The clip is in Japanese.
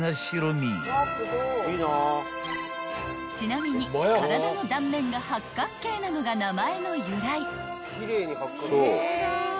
［ちなみに体の断面が八角形なのが名前の由来］